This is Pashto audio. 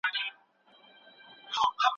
غله باید په ټولنه کي ځای ونه لري.